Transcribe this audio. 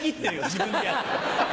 自分でやって。